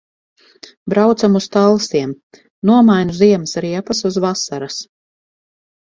Braucam uz Talsiem. Nomainu ziemas riepas uz vasaras.